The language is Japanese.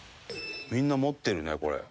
みんな持ってるねこれ。